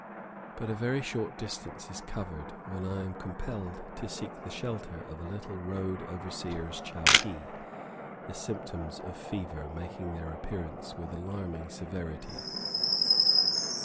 But a very short distance is covered when I am compelled to seek the shelter of a little road overseer's chowkee, the symptoms of fever making their appearance with alarming severity.